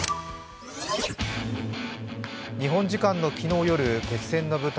日本時間の昨日夜、決戦の舞台